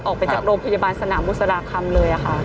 ออกไปจากโรงพยาบาลสนามบุษราคำเลยค่ะ